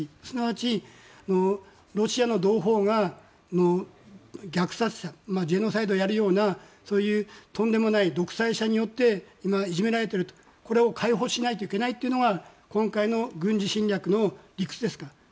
すなわち、ロシアの同胞が虐殺者、ジェノサイドやるようなそういうとんでもない独裁者によっていじめられてるこれを解放しないといけないというのが今回の軍事侵略の理屈ですから。